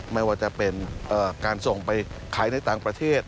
ไม่ว่าจะเป็นการส่งไปขายในต่างประเทศ